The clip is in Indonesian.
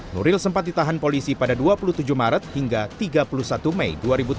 nuril sempat ditahan polisi pada dua puluh tujuh maret hingga tiga puluh satu mei dua ribu tujuh belas